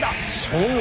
そう。